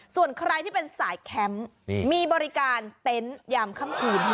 ส่วนใครที่เป็นสายแคมป์มีบริการเต็นต์ยามค่ำคืน